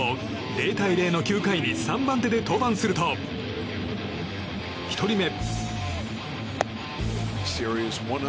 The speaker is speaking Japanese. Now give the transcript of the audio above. ０対０の９回に３番手で登板すると、１人目。